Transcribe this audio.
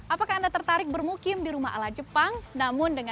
apa yang terjadi di rumah ala jepang